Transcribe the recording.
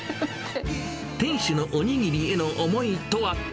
店主のおにぎりへの思いとは。